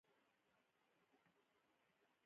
دوی تل ارزانه جامې اغوندي